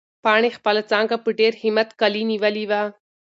پاڼې خپله څانګه په ډېر همت کلي نیولې وه.